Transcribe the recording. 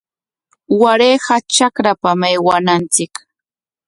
Warayqa trakrapam aywananchik.